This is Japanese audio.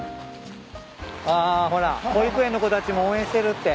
あほら保育園の子たちも応援してるって。